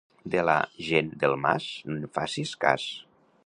De la gent del Mas, no en facis cas.